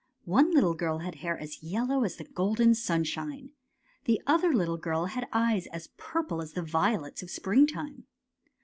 One little girl had hair as yellow as the golden sunshine. The other little girl had eyes as purple as the violets of springtime.